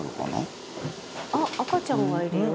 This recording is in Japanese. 藤本：赤ちゃんがいるよ。